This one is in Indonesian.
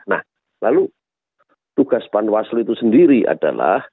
nah lalu tugas panwaslu itu sendiri adalah